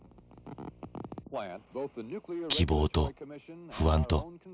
希望と不安と。